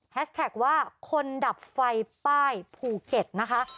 แท็กว่าคนดับไฟป้ายภูเก็ตนะคะ